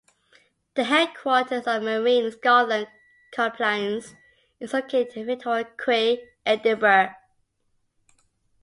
The Headquarters of Marine Scotland Compliance is located in Victoria Quay, Edinburgh.